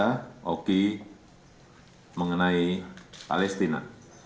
ktt oki mengenai palestina